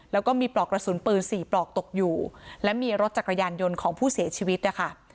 แล้วก็มีปลอกกระสุนปืน๔ปลอกตกอยู่และมีรถจักรยานยนต์ของผู้เสียชีวิตนะคะ